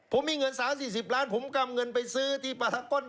ผมมีเงิน๓๔๐ล้านผมกำเงินไปซื้อที่ปลาทะก้น